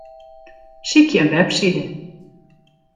Sykje in webside.